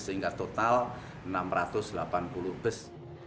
sehingga total enam ratus delapan puluh bus